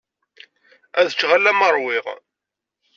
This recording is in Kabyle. Ad ččeɣ alamma ṛwiɣ.